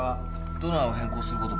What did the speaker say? ドナーを変更する事も？